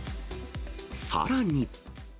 さらに。